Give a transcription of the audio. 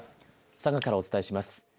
佐賀からお伝えします。